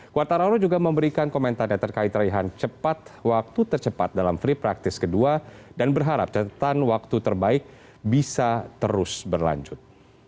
quartararo juga memberikan komentarnya terkait raihan cepat waktu tercepat dalam free practice kedua dan berharap catatan waktu terbaik bisa terus berlanjut